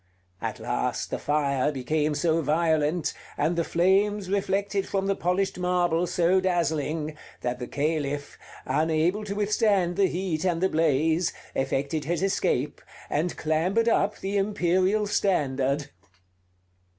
At last the fire became so violent, and the flames reflected from the polished marble so dazzling, that the Caliph, unable to withstand the heat and the blaze, effected his escape, and clambered up the imperial standard.